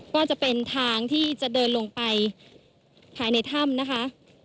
ก็จะเป็นทางที่จะเดินลงไปภายในถ้ำนะคะ